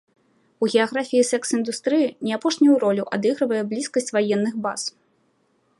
У геаграфіі секс-індустрыі не апошнюю ролю адыгрывае блізкасць ваенных баз.